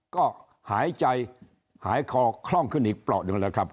ก็หายใจหายคอคล่องขึ้นอีกเปราะหนึ่งแล้วครับ